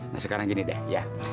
nah sekarang gini deh ya